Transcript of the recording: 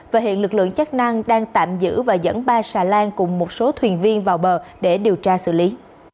và hiện lực lượng chức năng đang tạm giữ và dẫn ba xà lan cùng một số thuyền viên vào bờ để điều tra xử lý